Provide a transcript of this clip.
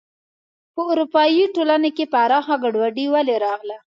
په اروپايي ټولنې کې پراخه ګډوډي ولې راغله.